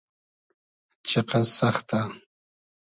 چیقئس سئختۂ